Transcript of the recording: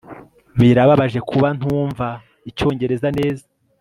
Birababaje kuba ntumva icyongereza neza